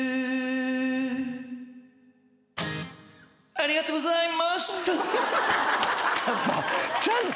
ありがとうございまーした。